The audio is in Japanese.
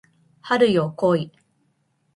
春よ来い